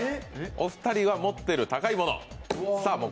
お二人が持っている高いもの！